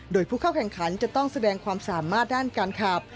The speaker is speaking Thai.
โดยผู้เข้าแข่งขันจะต้องแสดงความสามารถด้านการขับ